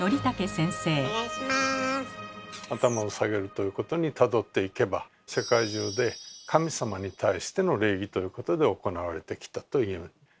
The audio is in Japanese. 「頭を下げる」ということにたどっていけば世界中で神様に対しての礼儀ということで行われてきたと言える。